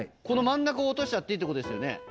この真ん中を落としちゃっていいってことですよね。